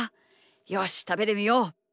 よしたべてみよう！